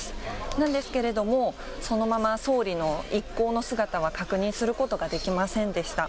なんですけれども、そのまま総理の一行の姿は確認することができませんでした。